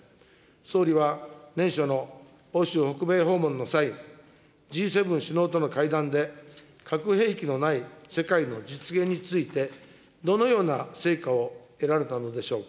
総理は年初の欧州北米訪問の際、Ｇ７首脳との会談で核兵器のない世界の実現について、どのような成果を得られたのでしょうか。